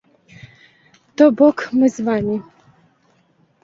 То бок, мы з вамі.